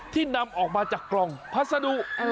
นำออกมาจากกล่องพัสดุ